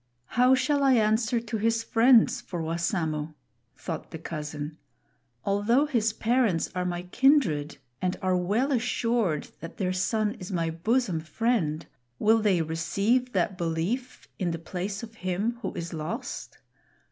"How shall I answer to his friends for Wassamo?" thought the cousin. "Although his parents are my kindred and are well assured that their son is my bosom friend, will they receive that belief in the place of him who is lost?